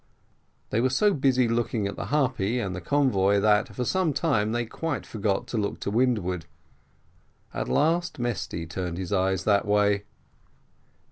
They were so busy looking at the Harpy and the convoy, that, for some time, they quite forgot to look to windward. At last Mesty turned his eyes that way.